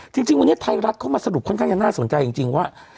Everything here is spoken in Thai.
จริงวันนี้ไทยรัฐเข้ามาสรุปค่อนข้างจะน่าสนใจจริงว่า